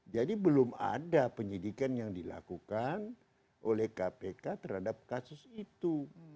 jadi belum ada penyidikan yang dilakukan oleh kpk terhadap kasus itu